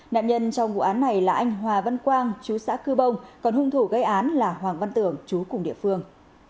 nạn nhân trong vụ án này là anh hòa văn quang chú xã cư bông còn hung thủ gây án là hoàng văn tưởng chú cùng địa phương